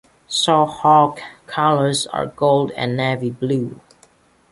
Sochaux's colours are gold and navy blue.